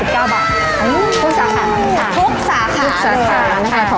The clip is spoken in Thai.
ทุกสาขาทุกสาขาทุกสาขานะคะ